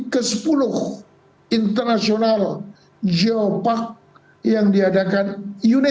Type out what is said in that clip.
kim kondang ke